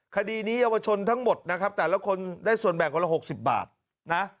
คดีนี้เยาวชนทั้งหมดนะครับแต่ละคนได้ส่วนแบ่งวันละ๖๐บาทนะ